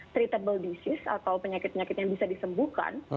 treatable disease atau penyakit penyakit yang bisa disembuhkan